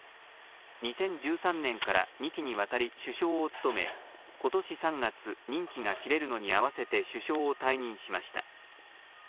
２０１３年から２期にわたり、首相を務めことし３月任期が切れるのに合わせて首相を退任しました。